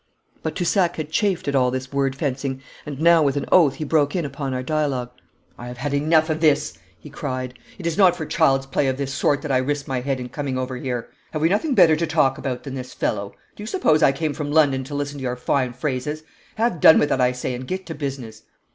But Toussac had chafed at all this word fencing, and now with an oath he broke in upon our dialogue. 'I have had enough of this!' he cried. 'It is not for child's play of this sort that I risked my head in coming over here. Have we nothing better to talk about than this fellow? Do you suppose I came from London to listen to your fine phrases? Have done with it, I say, and get to business.'